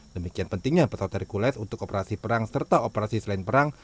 demikian pentingnya pesawat hercules untuk operasi perang serta operasi selain perang